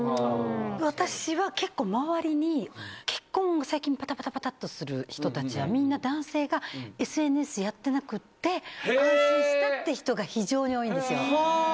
私は結構周りに結婚を最近パタパタパタっとする人たちはみんな男性がＳＮＳやってなくて安心したって人が非常に多いんですよ。